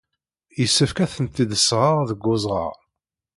Yessefk ad tent-id-sɣeɣ deg uzɣar.